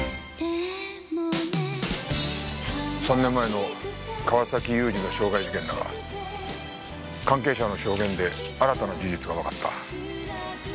３年前の川崎雄二の傷害事件だが関係者の証言で新たな事実がわかった。